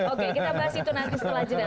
oke kita bahas itu nanti setelah jeda